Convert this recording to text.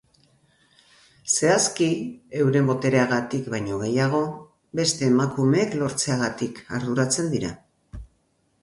Zehazki, euren botereagatik baino gehiago, beste emakumeek lortzeagatik arduratzen dira.